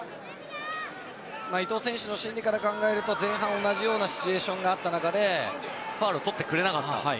伊東選手の心理から考えると前半同じようなシチュエーションがあった中でファウルをとってくれなかった。